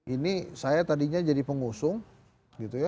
ini saya tadinya jadi pengusung gitu ya